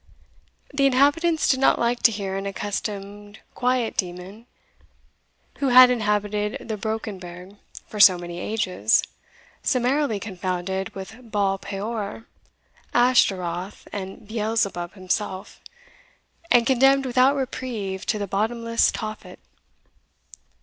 The inhabitants did not like to hear an accustomed quiet demon, who had inhabited the Brockenberg for so many ages, summarily confounded with Baal peor, Ashtaroth, and Beelzebub himself, and condemned without reprieve to the bottomless Tophet.